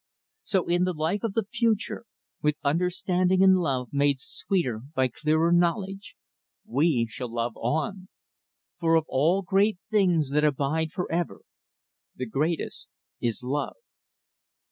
So in the life of the future, with understanding and love made sweeter by clearer knowledge, we shall love on; for of all great things that abide forever "the greatest is love."